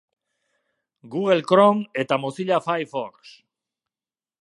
Google Chrome eta Mozilla Firefox